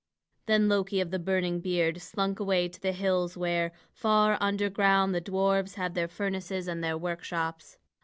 Then Loki of the burning beard slunk away to the hills where, far under ground, the dwarfs have their furnaces and their workshops.